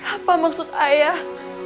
apa maksud ayah